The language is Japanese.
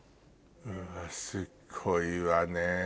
うわっすごいわね。